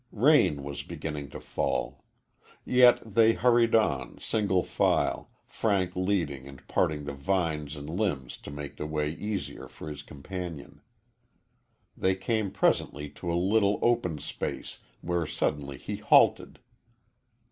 Rain was beginning to fall. Yet they hurried on, single file, Frank leading and parting the vines and limbs to make the way easier for his companion. They came presently to a little open space, where suddenly he halted.